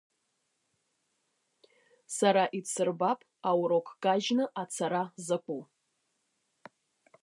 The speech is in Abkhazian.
Сара идсырбап аурок кажьны ацара закәу!